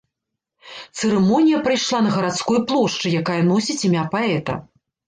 Цырымонія прайшла на гарадской плошчы, якая носіць імя паэта.